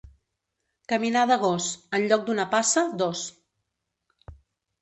Caminar de gos, en lloc d'una passa, dos.